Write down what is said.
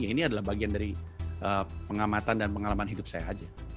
ini adalah bagian dari pengamatan dan pengalaman hidup saya aja